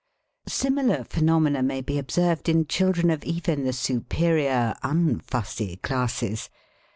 Similar phenomena may be observed in children of even the superior unfussy classes.